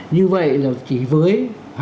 như vậy là chỉ với hai